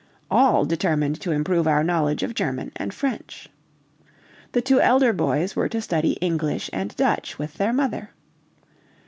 All determined to improve our knowledge of German and French. The two elder boys were to study English and Dutch with their mother.